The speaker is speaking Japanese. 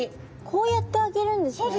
こうやってあげるんですね。